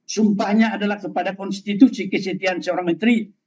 sumpahnya adalah kepada konstitusi kesetiaan seorang menteri